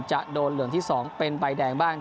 จะโดนเหลืองที่๒เป็นใบแดงบ้าง